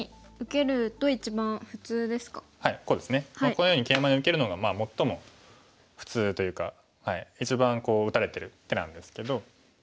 このようにケイマで受けるのが最も普通というか一番こう打たれてる手なんですけど。